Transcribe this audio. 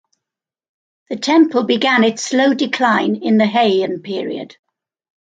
The temple began its slow decline in the Heian period.